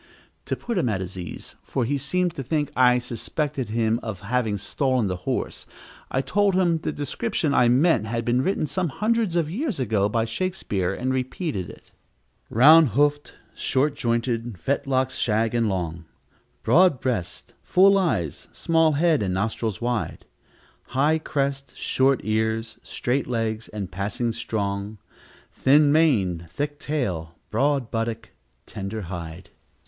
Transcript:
To put him at his ease (for he seemed to think I suspected him of having stolen the horse), I told him the description I meant had been written some hundreds of years ago by Shakespeare, and repeated it: "Round hooft, short joynted, fetlocks shag and long, Broad breast, full eyes, small head, and nostrils wide, High crest, short ears, straight legs, and passing strong, Thin mane, thick tail, broad buttock, tender hide."